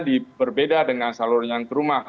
diberbeda dengan salur yang ke rumah